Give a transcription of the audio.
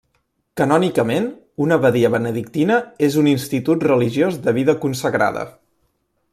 Canònicament, una abadia benedictina és un institut religiós de vida consagrada.